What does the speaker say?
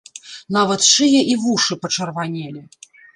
Нават шыя і вушы пачырванелі.